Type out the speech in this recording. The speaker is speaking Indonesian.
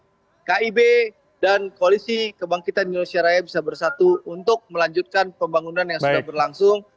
koalisi kib dan koalisi kebangkitan indonesia raya bisa bersatu untuk melanjutkan pembangunan yang sudah berlangsung